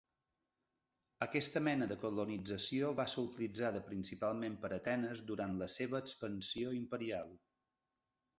Aquesta mena de colonització va ser utilitzada principalment per Atenes durant la seva expansió imperial.